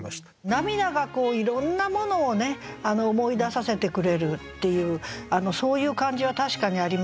涙がいろんなものをね思い出させてくれるっていうそういう感じは確かにありますね。